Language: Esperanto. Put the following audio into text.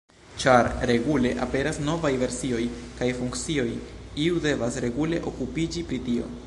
Ĉar regule aperas novaj versioj kaj funkcioj, iu devas regule okupiĝi pri tio.